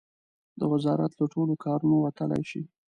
د وزارت له ټولو کارونو وتلای شي.